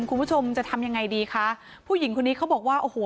คุณผู้ชมจะทำยังไงดีคะผู้หญิงคนนี้เขาบอกว่าโอ้โห